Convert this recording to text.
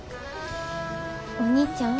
お兄ちゃん？